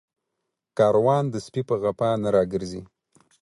کاروان د سپي په غپا نه راگرځي